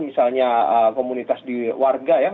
misalnya komunitas di warga ya